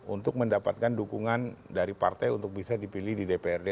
untuk mendapatkan dukungan dari partai untuk bisa dipilih di dprd